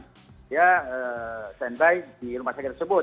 jadi dia harus stand by di rumah sakit tersebut